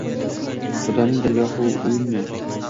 Xudoning dargohi o‘yinmi?!